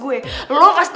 kau mau kemana